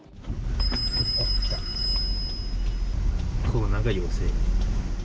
コロナが陽性。